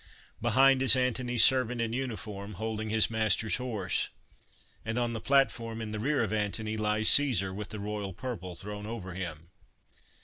Behind, is Antony's servant in uniform, holding his master's horse ; and on the platform, in the rear of Antony, lies Caesar, with the royal purple thrown over him.